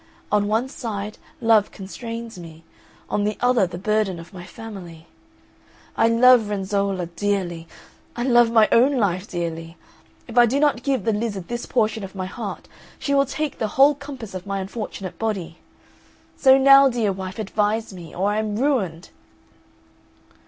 On one side love constrains me; on the other the burden of my family. I love Renzolla dearly, I love my own life dearly. If I do not give the lizard this portion of my heart, she will take the whole compass of my unfortunate body. So now, dear wife, advise me, or I am ruined!"